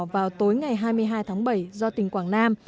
vào tối ngày hai mươi hai tháng bảy do tỉnh quảng nam